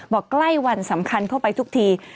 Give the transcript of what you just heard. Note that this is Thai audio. ใกล้วันสำคัญเข้าไปทุกที